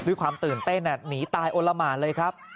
ด้วยความตื่นเต้นหนีตายโอละหมานเลยครับ